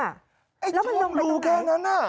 ไอ้ช่องรูแค่นั้นอ่ะ